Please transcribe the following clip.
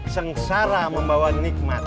sengsara membawa nikmat